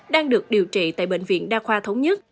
đang được điều trị tại bệnh viện đa khoa thống nhất